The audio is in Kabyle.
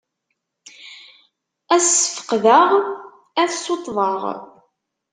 Ad as-sfeqdeɣ, ad t-ssuṭḍeɣ.